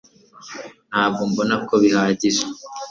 ntabwo mbona ko bihagije